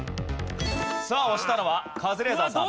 さあ押したのはカズレーザーさん。